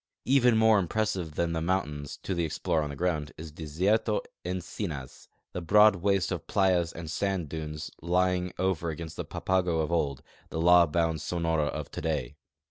Even more impressive than the mountains, to the explorer on the ground, is Desierto Encinas — the broad waste of playas and sand dunes lying over against the Papago of old, the law bound Sonora of today.